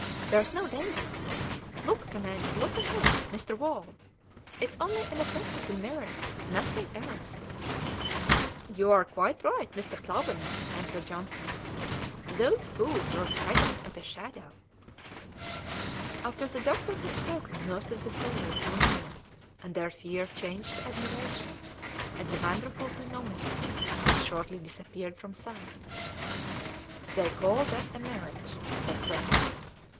"There's no danger! Look, commander, look ahead, Mr. Wall; it's only an effect of the mirage, nothing else." "You are quite right, Mr. Clawbonny," answered Johnson; "those fools were frightened at a shadow." After the doctor had spoken most of the sailors drew near, and their fear changed to admiration at the wonderful phenomenon, which shortly disappeared from sight. "They call that a mirage?" said Clifton.